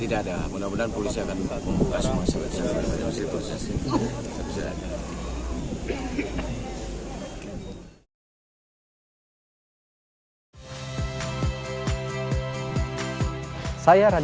tidak ada mudah mudahan polisi akan mengungkap semua